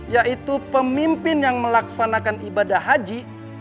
yaitu pemimpin yang melaksanakan ibadah haji